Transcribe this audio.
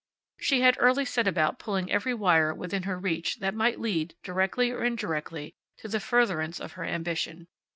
She had early set about pulling every wire within her reach that might lead, directly or indirectly, to the furtherance of her ambition.